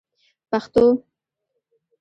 پښتو